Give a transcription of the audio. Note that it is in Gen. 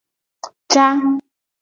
Ca.